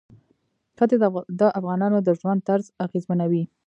ښتې د افغانانو د ژوند طرز اغېزمنوي.